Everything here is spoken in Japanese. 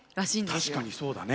確かにそうだね。